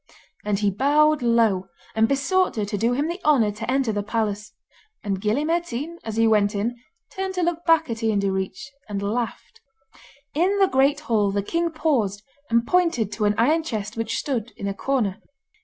And he bowed low, and besought her to do him the honour to enter the palace; and Gille Mairtean, as he went in, turned to look back at Ian Direach, and laughed. In the great hall the king paused and pointed to an iron chest which stood in a corner.